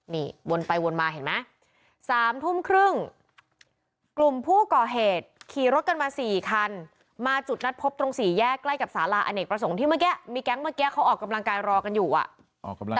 นี่วนไปวนมาเห็นไหม๓ทุ่มครึ่งกลุ่มผู้ก่อเหตุขี่รถกันมา๔คันมาจุดนัดพบตรงสี่แยกใกล้กับสาระอเนกประสงค์ที่เมื่อกี้มีแก๊งเมื่อกี้เขาออกกำลังกายรอกันอยู่อ่ะ